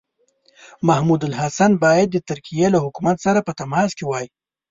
محمودالحسن باید د ترکیې له حکومت سره په تماس کې وای.